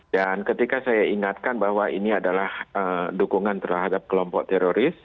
dan ketika saya ingatkan bahwa ini adalah dukungan terhadap kelompok teroris